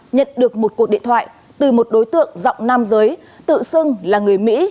nhận được một cuộc điện thoại từ một đối tượng rộng nam giới tự xưng là người mỹ